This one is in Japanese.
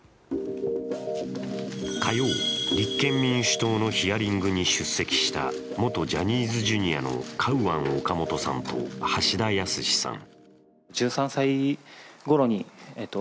火曜、立憲民主党のヒアリングに出席した元ジャニーズＪｒ．のカウアン・オカモトさんと橋田康さん。